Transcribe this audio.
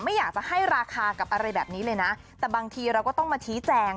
ไม่อยากจะให้ราคากับอะไรแบบนี้เลยนะแต่บางทีเราก็ต้องมาชี้แจง